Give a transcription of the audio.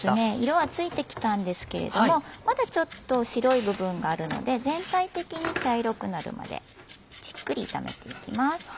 色はついてきたんですけれどもまだちょっと白い部分があるので全体的に茶色くなるまでじっくり炒めていきます。